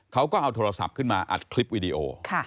เขาก็เอาโทรศัพท์ขึ้นมาอัดคลิปวิดีโอ